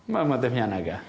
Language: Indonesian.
mereka membuatnya naga